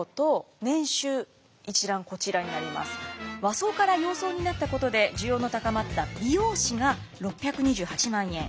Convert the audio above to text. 和装から洋装になったことで需要の高まった美容師が６２８万円。